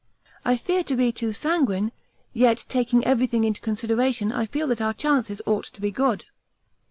I fear to be too sanguine, yet taking everything into consideration I feel that our chances ought to be good.